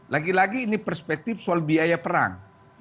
lagi lagi ini perspektif soal biaya perang